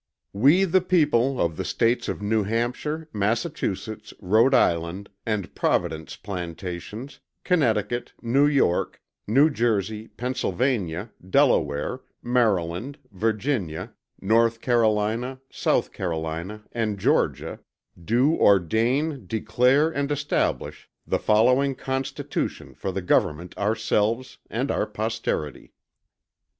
We the People of the States of New Hampshire, Massachusetts, Rhode Island, and Providence Plantations, Connecticut, New York, New Jersey, Pennsylvania, Delaware, Maryland, Virginia, North Carolina, South Carolina, and Georgia, do ordain, declare and establish the following Constitution for the Government of Ourselves and our Posterity.